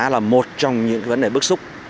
là một trong những vấn đề bức xúc